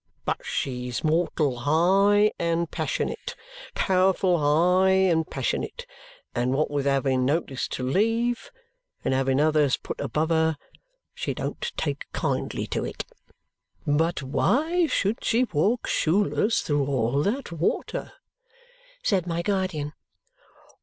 But she's mortal high and passionate powerful high and passionate; and what with having notice to leave, and having others put above her, she don't take kindly to it." "But why should she walk shoeless through all that water?" said my guardian.